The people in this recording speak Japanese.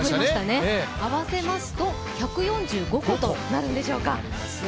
合わせると１４５個となるんでしょうか。